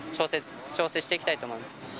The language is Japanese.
調整していきたいと思います。